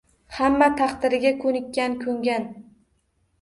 Hamma taqdiriga koʻnikkan, koʻngan.